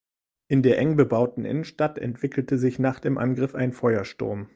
In der eng bebauten Innenstadt entwickelte sich nach dem Angriff ein Feuersturm.